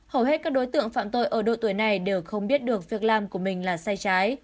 hầu hết các đối tượng phạm tội ở độ tuổi này đều không biết được việc làm của mình là sai trái